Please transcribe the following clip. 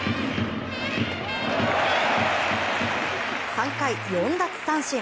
３回４奪三振。